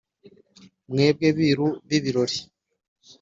mwebwe biru b’ibirori